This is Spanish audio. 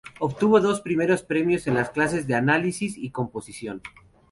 Obtuvo dos primeros premios en las clases de análisis y composición.